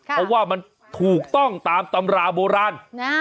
เพราะว่ามันถูกต้องตามตำราโบราณ